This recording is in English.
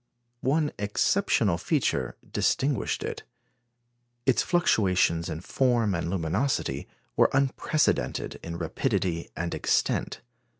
One exceptional feature distinguished it. Its fluctuations in form and luminosity were unprecedented in rapidity and extent.